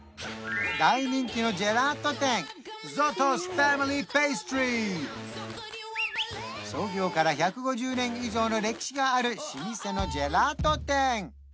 大人気のジェラート店創業から１５０年以上の歴史がある老舗のジェラート店